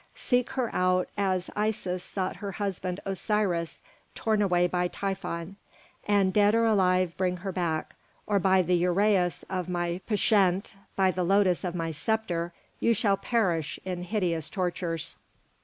Seek her out as Isis sought her husband Osiris torn away by Typhon, and, dead or alive, bring her back, or by the uræus of my pschent, by the lotus of my sceptre, you shall perish in hideous tortures."